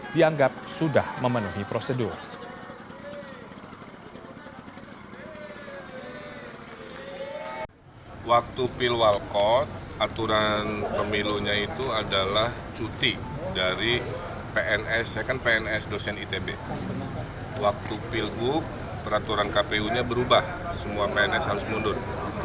dianggap sudah memenuhi prosedur